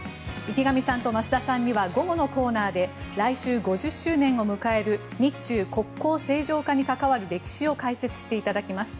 池上さんと増田さんには午後のコーナーで来週５０周年を迎える日中国交正常化に関わる歴史を解説していただきます。